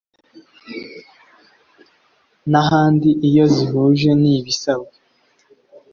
N ahandi iyo zihuje n ibisabwa